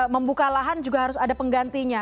membuka lahan juga harus ada penggantinya